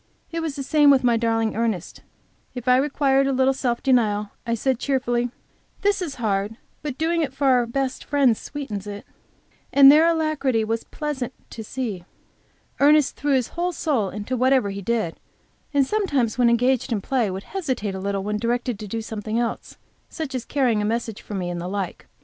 It was the same with my darling Ernest. If I required a little self denial, I said cheerfully, "This is hard, but doing it for our best Friend sweetens it," and their alacrity was pleasant to see. Ernest threw his whole soul into whatever he did, and sometimes when engaged in play would hesitate a little when directed to do something else, such as carrying a message for me, and the like.